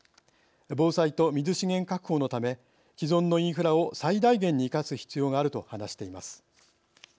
防災と水資源確保のため既存のインフラを最大限に生かす必要があると話しています。